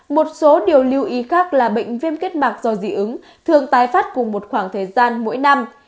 một số điều lưu ý khác là bệnh viêm kết mạc do dị ứng thường tái phát cùng một khoảng thời gian mỗi năm